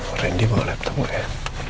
orin dia bawa laptop gue ya